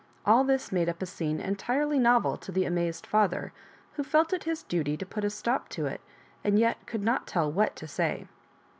All this made up a scene entirely novel to the amazed father, who felt it his duty to put a stop to it, and yet could not tell what to say.